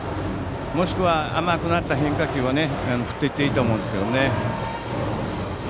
もしくは甘くなった変化球は振っていっていいと思います。